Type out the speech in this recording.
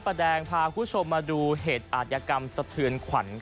แบดังพาความสุขมาดูเหตุอาธิกรรมสเทือนขวัญ